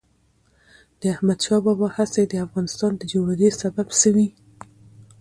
د احمد شاه بابا هڅې د افغانستان د جوړېدو سبب سوي.